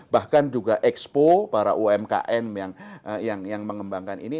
bahkan juga expo para umkm yang mengembangkan ini